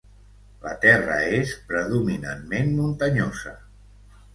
La terra és predominantment muntanyosa.